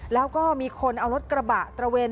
แล้วก็มีคนเอารถกระบะตระเวน